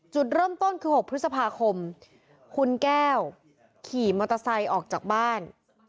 จุดเริ่มต้นคือ๖พฤษภาคมคุณแก้วขี่มอเตอร์ไซค์ออกจากบ้าน